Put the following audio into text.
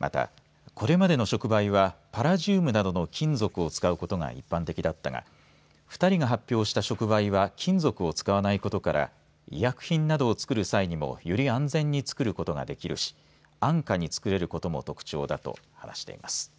またこれまでの触媒はパラジウムなどの金属が一般的だったが２人が発表した触媒は金属を使わないことから医薬品などを作る際にもより安全に作ることができるし安価に作れることも特徴だと話しています。